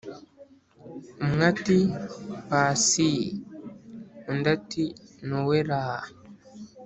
umwe ati"pasiiiiii.."undi ati"nowelaaaa!!"